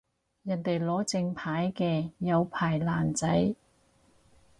人哋攞正牌嘅有牌爛仔